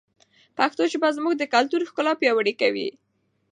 پښتو ژبه زموږ د کلتور ښکلا پیاوړې کوي.